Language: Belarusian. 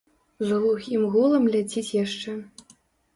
З глухім гулам ляціць яшчэ.